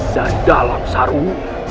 dari dalam sarung